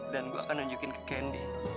dan gue akan nunjukin ke candy